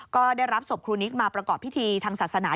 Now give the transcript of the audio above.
ก็ได้รับศพครูนิกมาประกอบพิธีทางศาสนา